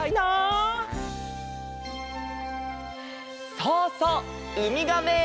そうそうウミガメ！